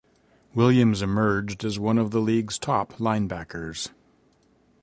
Williams emerged as one of the league's top linebackers.